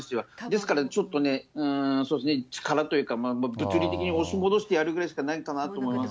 ですからちょっとね、そうですね、力というか、物理的に押し戻してやるくらいしかないかなと思いますね。